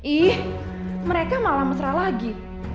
ih mereka malah mesra lagi kenapa bisa kayak gini sih